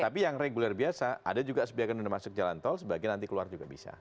tapi yang reguler biasa ada juga sebagian sudah masuk jalan tol sebagian nanti keluar juga bisa